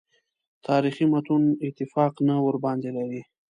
تاریخي متون اتفاق نه ورباندې لري.